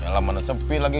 ya lah mana sepi lagi